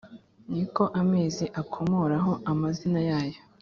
Ni ko amezi akomoraho amazina yayo,